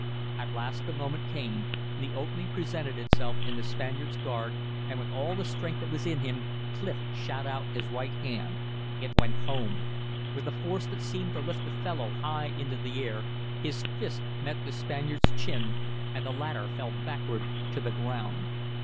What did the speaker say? At last the moment came. The opening presented itself in the Spaniard's guard, and with all the strength that was in him, Clif shot out his right hand. It went home. With a force that seemed to lift the fellow high into the air, his fist met the Spaniard's chin, and the latter fell backward to the ground.